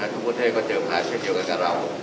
ทุกประเทศก็เจอปัญหาเช่นเดียวกันกับเรา